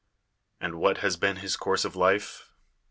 And wliat has been liis course of life?